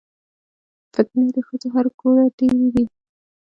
فتنې د ښځو هر ګوره ډېرې دي